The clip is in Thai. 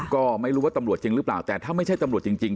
ก็ไม่รู้ว่าตำรวจจริงหรือเปล่าแต่ถ้าไม่ใช่ตำรวจจริง